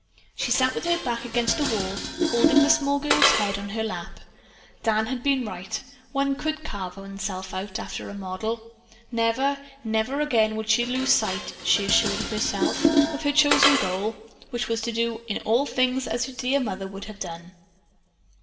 She sat with her back against the wall holding the small girl's head on her lap. Dan had been right. One could carve oneself after a model. Never, never again would she lose sight, she assured herself, of her chosen goal, which was to do in all things as her dear mother would have done.